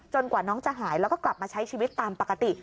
กว่าน้องจะหายแล้วก็กลับมาใช้ชีวิตตามปกติ